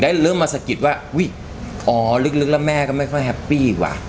เริ่มมาสะกิดว่าอุ้ยอ๋อลึกแล้วแม่ก็ไม่ค่อยแฮปปี้ว่ะ